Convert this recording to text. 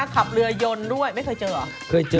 ขับเรือยนด้วยไม่เคยเจอหรอ